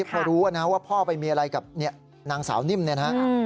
เพราะรู้ว่าพ่อไปมีอะไรกับนางสาวนิ่มนะครับ